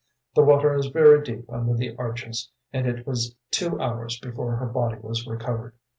The water is very deep under the arches, and it was two hours before her body was recovered.